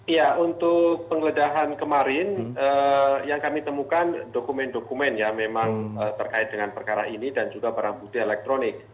ya untuk penggeledahan kemarin yang kami temukan dokumen dokumen ya memang terkait dengan perkara ini dan juga barang bukti elektronik